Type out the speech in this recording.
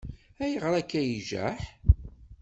Ayɣer akka i ijaḥ?